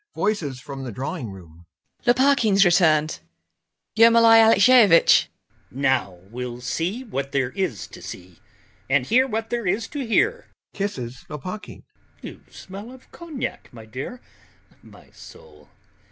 VOICES FROM THE DRAWING ROOM. Lopakhin's returned! Ermolai Alexeyevitch! PISCHIN. Now we'll see what there is to see and hear what there is to hear... [Kisses LOPAKHIN] You smell of cognac, my dear, my soul.